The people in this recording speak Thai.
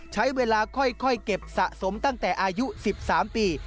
ใช้เวลาค่อยเก็บสะสมตั้งแต่อายุ๑๓ปี